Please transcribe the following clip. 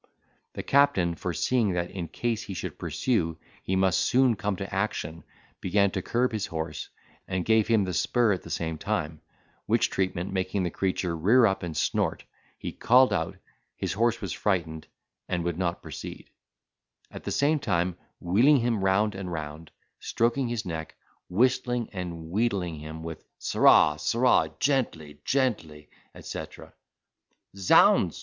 The captain, foreseeing that, in case he should pursue, he must soon come to action, began to curb his horse, and gave him the spur at the same time, which treatment making the creature rear up and snort, he called out, his horse was frightened, and would not proceed; at the same time wheeling him round and round, stroking his neck, whistling and wheedling him with "Sirrah, sirrah—gently, gently." etc. "Z—ds!"